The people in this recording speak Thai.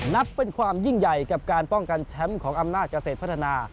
นับเป็นความยิ่งใหญ่กับการป้องกันแชมป์ของอำนาจเกษตรพัฒนา